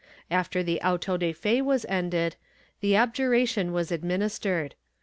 After the auto de fe was ended, the abjuration was administered.